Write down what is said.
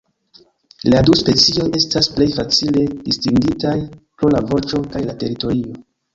La du specioj estas plej facile distingitaj pro la voĉo kaj la teritorio.